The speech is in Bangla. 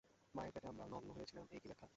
মায়ের পেটে আমরা নগ্ন হয়ে ছিলাম, এই কি ব্যাখ্যা?